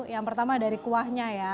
yang pertama dari kuahnya ya